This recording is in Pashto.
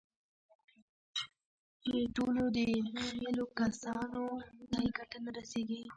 چې ټولو دخيلو کسانو ته يې ګټه نه رسېږي.